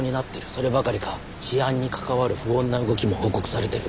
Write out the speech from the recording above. そればかりか治安に関わる不穏な動きも報告されてる。